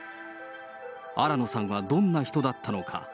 新野さんはどんな人だったのか。